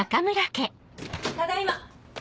ただいま。